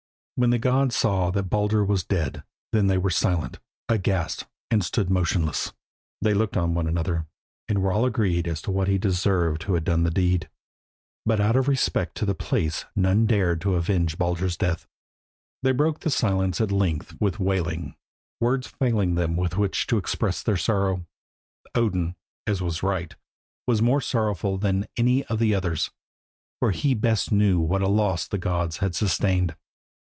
When the gods saw that Baldur was dead then they were silent, aghast, and stood motionless. They looked on one another, and were all agreed as to what he deserved who had done the deed, but out of respect to the place none dared avenge Baldur's death. They broke the silence at length with wailing, words failing them with which to express their sorrow. Odin, as was right, was more sorrowful than any of the others, for he best knew what a loss the gods had sustained.